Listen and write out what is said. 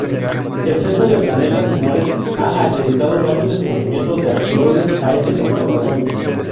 El Centro de Planetas Menores ha acreditado varios descubrimientos de asteroides a este Observatorio.